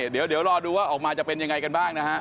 เดี๋ยวรอดูออกมาจะเป็นอย่างไรกันบ้าง